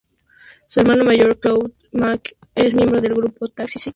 Su hermano mayor, Claude McKnight, es miembro del grupo Take Six.